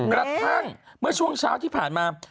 กระทั่งเมื่อช่วงเช้าที่ผ่านมา